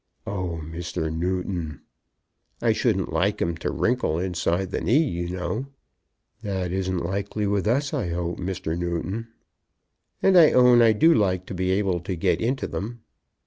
"Oh, Mr. Newton!" "I shouldn't like 'em to wrinkle inside the knee, you know." "That isn't likely with us, I hope, Mr. Newton." "And I own I do like to be able to get into them."